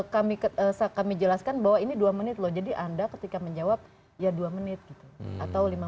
kami kata kami jelaskan bahwa ini dua menit loh jadi anda ketika menjawab ya dua menit atau lima